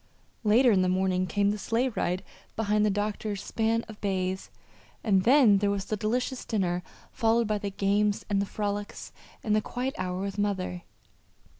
Later in the morning came the sleigh ride behind the doctor's span of bays, and then there was the delicious dinner followed by the games and the frolics and the quiet hour with mother.